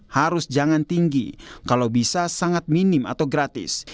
harus jangan tinggi kalau bisa sangat minim atau gratis